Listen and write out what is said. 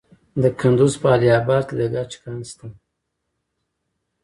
د کندز په علي اباد کې د ګچ کان شته.